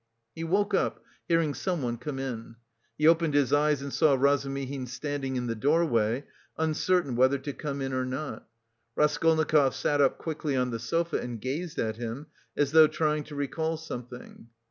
He woke up, hearing someone come in. He opened his eyes and saw Razumihin standing in the doorway, uncertain whether to come in or not. Raskolnikov sat up quickly on the sofa and gazed at him, as though trying to recall something.